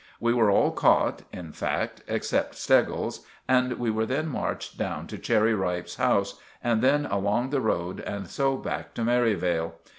We were all caught, in fact, except Steggles, and we were then marched down to Cherry Ripe's house, and then along the road, and so back to Merivale.